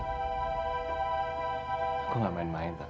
aku gak main main